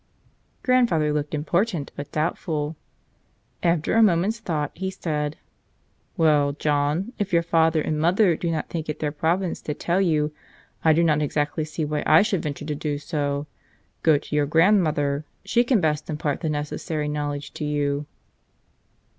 Grandfather looked important, but doubtful. After a moment's thought he said: "Well, John, if your father and mother do not think it their province to tell you, I do not exactly see why I should venture to do so. Go to your grandmother; she can best impart the necessary knowledge to you."